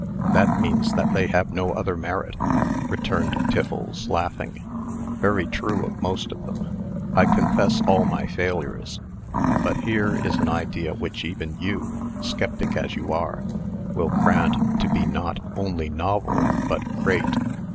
"That means that they have no other merit!" returned Tiffles, laughing, "Very true of most of them, I confess all my failures. But here is an idea which even you, skeptic as you are, will grant to be not only novel, but great.